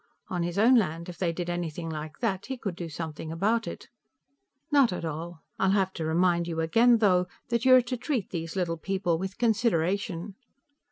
On his own land, if they did anything like that, he could do something about it. "Not at all. I'll have to remind you again, though, that you're to treat these little people with consideration."